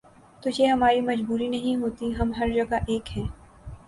تو یہ ہماری مجبوری نہیں ہوتی، ہم ہر جگہ ایک ہیں۔